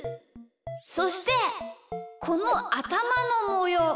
そしてこのあたまのもよう。